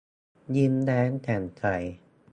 ยิ้มแย้มแจ่มใส